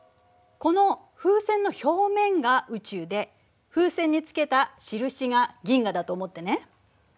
この風船の表面が宇宙で風船につけた印が銀河だと思ってね。